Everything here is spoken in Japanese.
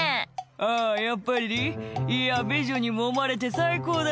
「あぁやっぱり？いや美女にもまれて最高だよ」